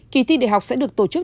ký thi đại học sẽ được tổ chức